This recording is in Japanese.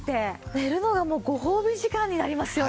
寝るのがもうご褒美時間になりますよね。